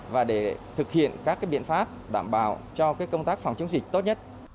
và để thực hiện các biện pháp đảm bảo cho công tác phòng chống dịch tốt nhất